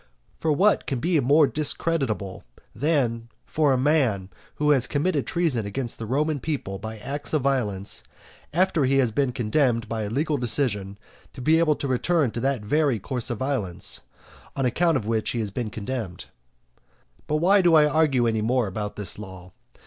For what can be more discreditable than for a man who has committed treason against the Roman people by acts of violence, after he has been condemned by a legal decision, to be able to return to that very course of violence, on account of which he has been condemned? But why do I argue any more about this law?